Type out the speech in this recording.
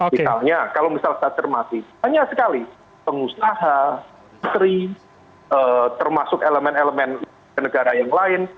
misalnya kalau misal saya cermati banyak sekali pengusaha industri termasuk elemen elemen negara yang lain